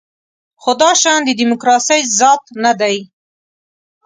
خو دا شیان د دیموکراسۍ ذات نه دی.